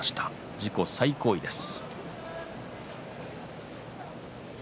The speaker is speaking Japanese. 自己最高位です。